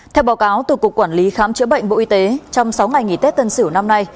theo báo cáo từ cục quản lý khám chữa bệnh bộ y tế trong sáu ngày nghỉ tết tân sửu năm nay